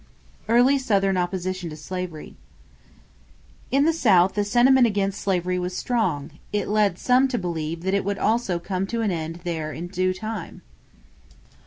=Early Southern Opposition to Slavery.= In the South, the sentiment against slavery was strong; it led some to believe that it would also come to an end there in due time.